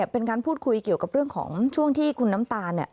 เป็นการพูดคุยเกี่ยวกับเรื่องของช่วงที่คุณน้ำตาล